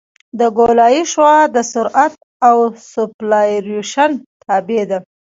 د ګولایي شعاع د سرعت او سوپرایلیویشن تابع ده